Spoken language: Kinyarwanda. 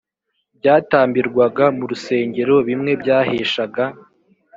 byatambirwaga mu rusengero bimwe byaheshaga